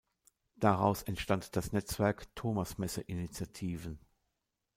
Daraus entstand das „Netzwerk Thomasmesse-Initiativen“.